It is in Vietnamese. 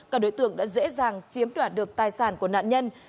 các đối tượng đã dễ dàng chiếm đoạt được tài sản của nạn nhân